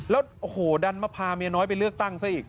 แล้วโอ้โหดันมาพาเมียน้อยไปเลือกตั้งซะอีก